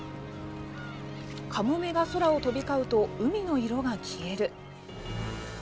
カモメが空を飛び交うと海の色が消える。